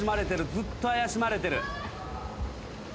ずっと怪しまれてる。